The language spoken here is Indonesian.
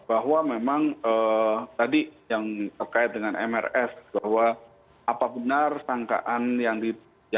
bahwa memang tadi yang terkait dengan mrs bahwa apa benar sangkaan yang di